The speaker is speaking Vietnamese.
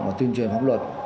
và tuyên truyền pháp luật